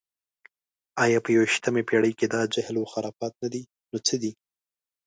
ایا په یویشتمه پېړۍ کې دا جهل و خرافات نه دي، نو څه دي؟